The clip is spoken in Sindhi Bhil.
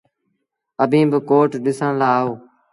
اڀيٚن با ڪوٽ ڏسڻ لآ آئو۔